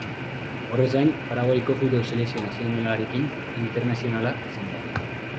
Horrez gain, Paraguaiko futbol selekzio nazionalarekin internazionala izan da.